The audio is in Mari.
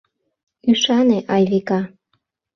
Ӱшане, Айвика